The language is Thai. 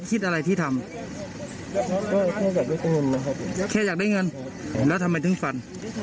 จะทำไมทึ่งฟัน